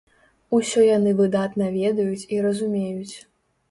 Усё яны выдатна ведаюць і разумеюць.